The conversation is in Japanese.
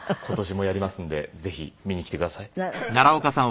今年もやりますんでぜひ見に来てください。